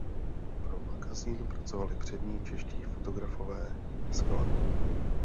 Pro magazín pracovali přední čeští fotografové skla.